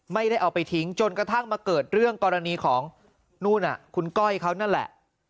ไม่ได้เอาไปทิ้งจนกระทั่งมาเกิดเรื่องกรณีของนู่นคุณก้อยเขานั่นแหละ